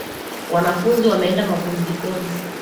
Wanafunzi wameenda mapumzikoni